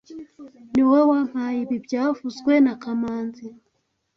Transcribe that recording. Niwowe wampaye ibi byavuzwe na kamanzi